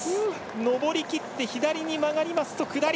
上りきって左に曲がりますと下り。